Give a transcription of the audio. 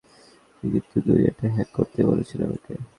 আপনি কিন্তু দুনিয়াটাই হ্যাক করতে বলছেন আমাকে?